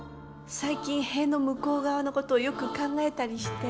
最近塀の向こう側のことをよく考えたりして。